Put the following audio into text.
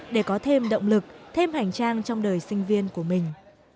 để có thêm động lực thêm hành trang trong đời sinh viên của mình